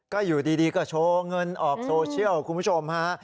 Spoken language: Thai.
ก็อยู่ดีก็โชว์เงินออกโซเชียลคุณผู้ชมฮะ